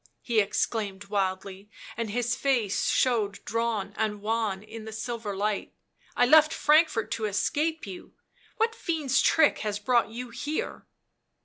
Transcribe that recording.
he exclaimed wildly, and his face showed drawn and wan in the silver light. u I left Frankfort to escape you ; what fiend's trick has brought you here?"